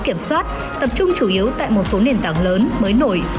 các biện pháp kiểm soát tập trung chủ yếu tại một số nền tảng lớn mới nổi